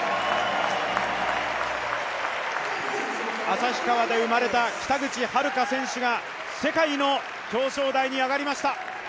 旭川で生まれた北口榛花選手が世界の表彰台に上がりました。